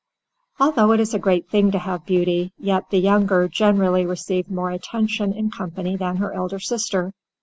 Although it is a great thing to have beauty, yet the younger generally received more attention in company than her elder sister.